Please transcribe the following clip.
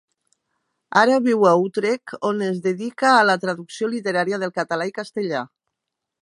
Ara viu a Utrecht, on es dedica a la traducció literària del català i castellà.